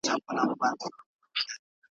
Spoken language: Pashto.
شهرت هم یو څو شېبې وي د سړي مخ ته ځلیږي `